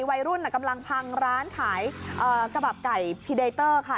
วัยรุ่นกำลังพังร้านขายกระบะไก่พีเดยเตอร์ค่ะ